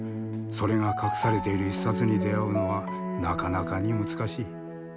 それが隠されている１冊に出会うのは、なかなかに難しい。